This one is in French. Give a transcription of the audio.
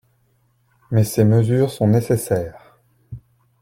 Mais ces mesures sont nécessaires.